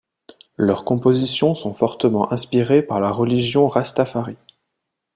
Leurs compositions sont fortement inspirées par la religion Rastafari.